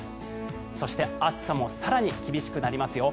そして、暑さも更に厳しくなりますよ。